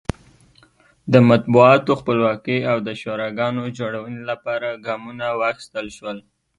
د مطبوعاتو خپلواکۍ او د شوراګانو جوړونې لپاره ګامونه واخیستل شول.